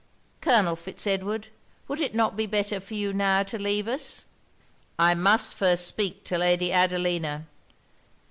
Colonel Fitz Edward, would it not be better for you now to leave us?' 'I must first speak to Lady Adelina.'